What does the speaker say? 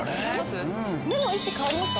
目の位置変わりました？